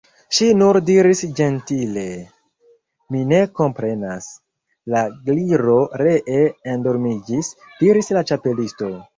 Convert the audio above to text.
Ŝi nur diris ĝentile: "Mi ne komprenas." "La Gliro ree endormiĝis," diris la Ĉapelisto.